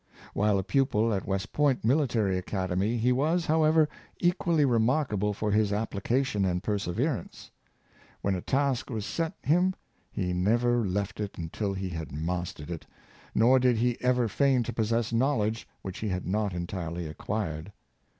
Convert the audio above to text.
While a pupil at West Point Military Academy he was, however, equally re markable for his application and perseverance. When a task was set him, he never left it until he had mas tered it; nor did he ever feign to possess knowledge which he had not entirely acquired.